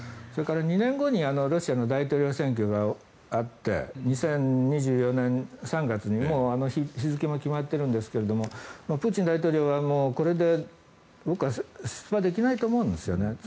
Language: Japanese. それから２年後にロシアの大統領選挙があって２０２４年３月にもう日付も決まっているんですがプーチン大統領は、これで僕は出馬できないと思うんですよね。